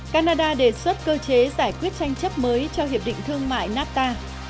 canada đề xuất cơ chế giải quyết tranh chấp mới cho hiệp định thương mại nafta